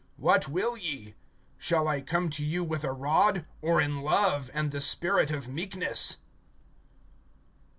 (21)What will ye? Shall I come to you with a rod, or in love, and the spirit of meekness?